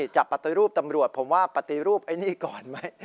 จะปฏิรูปตำรวจผมว่าปฏิรูปไอ้นี่ก่อนไหม